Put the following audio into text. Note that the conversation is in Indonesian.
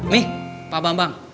nih pak bambang